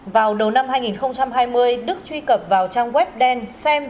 vào đầu năm hai nghìn hai mươi đức truy cập vào trang web đen xem